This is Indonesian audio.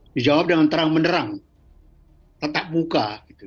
dijawab dengan terang menerang tatap muka